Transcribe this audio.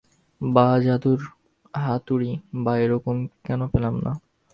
বা জাদুর হাতুড়ি বা এরকম কিছু কেন পেলাম না?